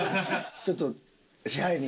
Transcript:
ちょっと支配人。